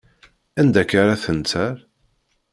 Anda akka ara tent err?